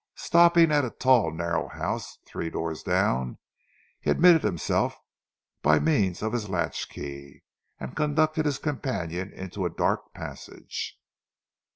Stopping at a tall narrow house three doors down, he admitted himself by means of his latch key and conducted his companion into a dark passage.